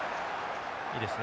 いいですね。